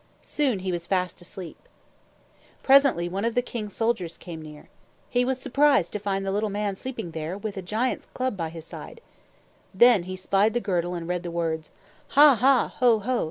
Soon he was fast asleep. Presently one of the king's soldiers came near. He was surprised to find the little man sleeping there, with a giant's club by his side. Then he spied the girdle and read the words: Ha, ha! Ho, ho!